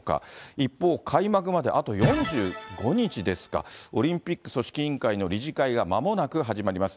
一方、開幕まであと４５日ですか、オリンピック組織委員会の理事会がまもなく始まります。